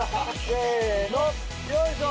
せのよいしょ！